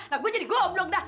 nah gua jadi goblok dah